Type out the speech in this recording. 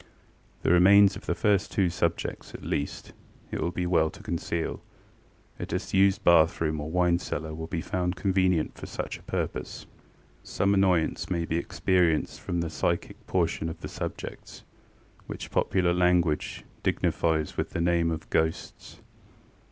The remains of the first two subjects, at least, it will be well to conceal: a disused bathroom or wine cellar will be found convenient for such a purpose. Some annoyance may be experienced from the psychic portion of the subjects, which popular language dignifies with the name of ghosts.